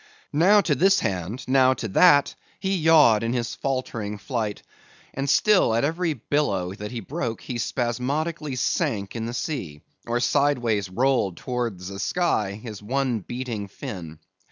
Now to this hand, now to that, he yawed in his faltering flight, and still at every billow that he broke, he spasmodically sank in the sea, or sideways rolled towards the sky his one beating fin.